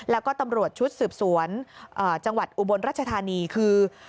แล้วก็ตำรวจชุดสืบสวนจังหวัดอุบลรัชธานีคือ